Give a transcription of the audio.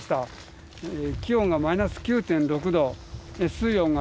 気温がマイナス９．６度水温が１．３度。